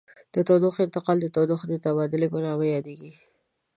تودوخې انتقال د تودوخې د تبادل په نامه یادیږي.